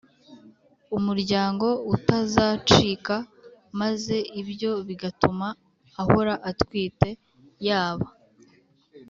umuryango utazacika, maze ibyo bigatuma ahora atwite, yaba